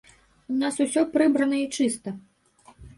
У нас усё прыбрана і чыста.